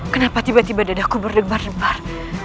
kenapa tiba tiba dadaku bergembar gembar